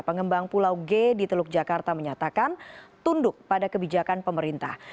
pengembang pulau g di teluk jakarta menyatakan tunduk pada kebijakan pemerintah